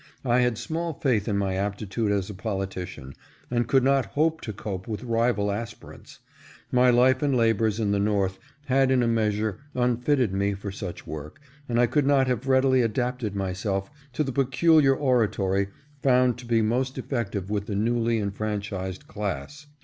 I had small faith in my aptitude as a politician, and could not hope to cope with rival aspirants. My life and labors in the North had in a measure unfitted me for such work, and I could not (484) RESUMES THE EDITORSHIP. 485 have readily adapted myself to the peculiar oratory found to be most effective with the newly enfranchised class.